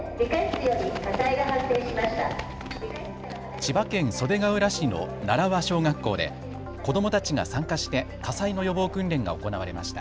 千葉県袖ケ浦市の奈良輪小学校で子どもたちが参加して火災の予防訓練が行われました。